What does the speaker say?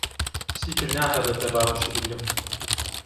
چیتر ناهێڵێت لە باوەشی بگرم.